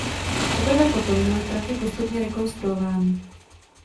Teprve poté byly tratě postupně rekonstruovány.